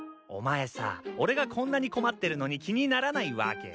お前さ俺がこんなに困ってるのに気にならないわけ？